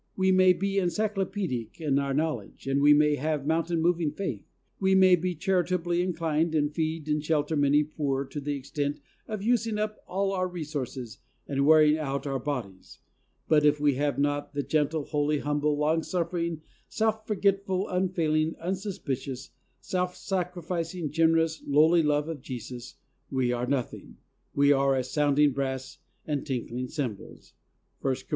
we may be encyclopedic in our knowledge; we may have mountain moving faith; we may be charitably inclined and feed and shelter many poor to the extent of using up all our resources and wearing out our bodies, but if we have not the gentle, holy, humble, longsuffering, self forgetful, unfail ing, unsuspicious, self sacrificing, generous, lowly love of Jesus, we are nothing — we are as sounding brass and tinkling cymbals, (i Cor.